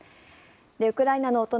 ウクライナのお隣